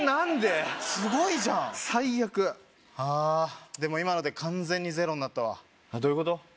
すごいじゃん最悪あでも今ので完全にゼロになったわどういうこと？